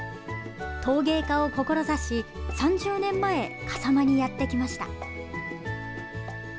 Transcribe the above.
陶芸家を志し３０年前、笠間にやってきました。